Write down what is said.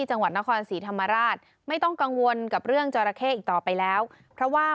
ที่จังหวัดนครศรีธรรมาราชไม่ต้องกังวลกับเรื่องเจาะระเทศอีกต่อไปแล้ว